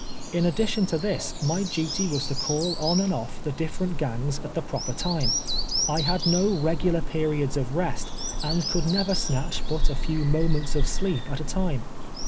In addition to this my duty was to call on and off the diflerent gangs at the proper time. I had jio regular periods of rest, and could never snatch but a few mo ments of sleep at a time.